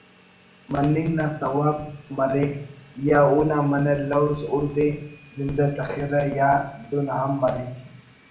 مننگ نا سوب مریک یا اونا منہ لوز اودے زندہ تخرہ یا دن ہم مریک